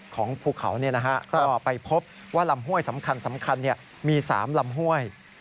ของภูเขาก็ไปพบว่าลำห้วยสำคัญมี๓ลำห้วย